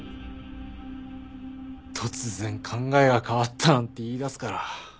突然考えが変わったなんて言い出すから。